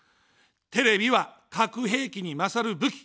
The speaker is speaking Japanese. テレビは核兵器に勝る武器。